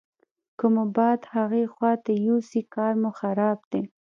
که مو باد هغې خواته یوسي کار مو خراب دی.